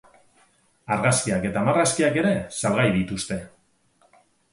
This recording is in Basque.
Argazkiak eta marrazkiak ere salgai dituzte.